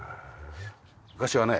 昔はね